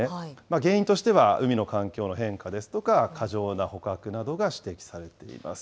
原因としては海の環境の変化ですとか、過剰な捕獲などが指摘されています。